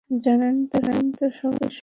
জানেনই তো, সবার ভাগ্য সুপ্রসন্ন হয় না।